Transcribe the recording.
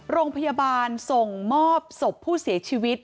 โรงพยาบาลส่งมอบศพผู้เสียชีวิต